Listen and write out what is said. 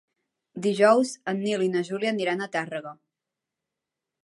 Dijous en Nil i na Júlia aniran a Tàrrega.